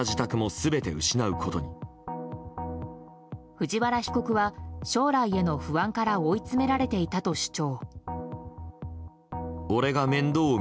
藤原被告は将来への不安から追い詰められていたと主張。